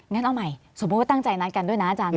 งั้นเอาใหม่สมมุติว่าตั้งใจนัดกันด้วยนะอาจารย์